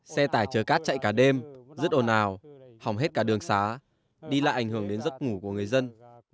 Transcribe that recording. xe tải chở cát chạy cả đêm rất ồn ào hỏng hết cả đường xá đi lại ảnh hưởng đến giấc ngủ của người dân